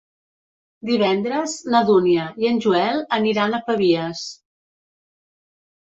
Divendres na Dúnia i en Joel aniran a Pavies.